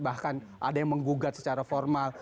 bahkan ada yang menggugat secara formal